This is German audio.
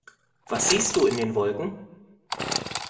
Was siehst du in den Wolken?